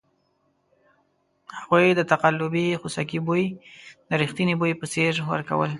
هغوی د تقلبي خوسکي بوی د ریښتني بوی په څېر ورکول.